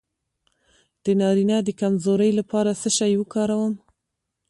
د نارینه د کمزوری لپاره څه شی وکاروم؟